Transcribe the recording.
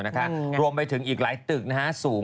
สนับสนุนโดยดีที่สุดคือการให้ไม่สิ้นสุด